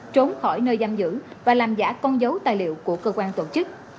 trốn khỏi nơi giam giữ và làm giả con dấu tài liệu của cơ quan tổ chức